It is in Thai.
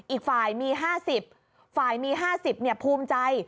อีกฝ่ายมี๕๐ฝ่ายมี๕๐ภูมิใจ